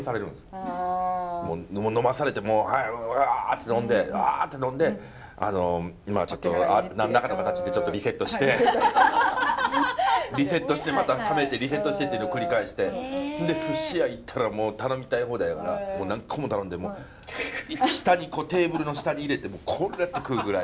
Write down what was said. もう呑まされてもうわって呑んでわって呑んでまあちょっと何らかの形でリセットしてリセットしてまた食べてリセットしてっていうのを繰り返してで寿司屋行ったらもう頼みたい放題やからもう何個も頼んで下にテーブルの下に入れてこうなって食うぐらい。